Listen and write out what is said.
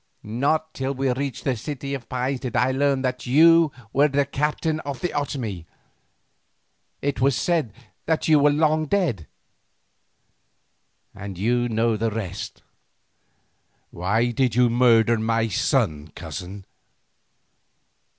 Not till we reached the City of Pines did I learn that you were the captain of the Otomie; it was said that you were long dead. You know the rest." "Why did you murder my son, cousin?"